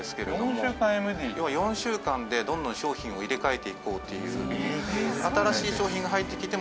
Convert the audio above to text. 要は４週間でどんどん商品を入れ替えていこうという。